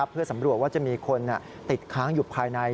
เพื่อสำรวจว่าจะมีคนติดค้างอยู่ภายใน